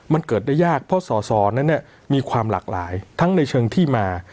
มันเกิดได้ยากเพราะสอสอนั้นมีความหลากหลายทั้งในเชิงที่มา